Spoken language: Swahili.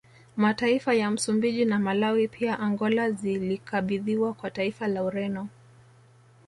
Mataifa ya Msumbiji na Malawi pia Angola zilikabidhiwa kwa taifa la Ureno